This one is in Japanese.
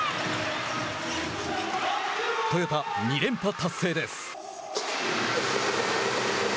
トヨタ、２連覇達成です。